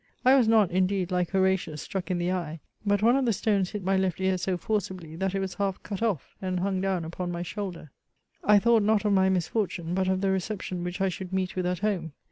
I was not, indeed, like Horatius, struck in the eye ; but one of the stones hit my left ear so forcibly, that it was half cut off, and hung down upon my shoulder. MEMOIRS OF I thought not of my misfortune, but of the reception which I should meet with at home.